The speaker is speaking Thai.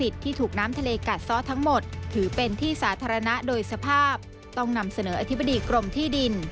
ที่ถูกนำโดยสภาพต้องนำเสนออธิบดีกรมที่ดิน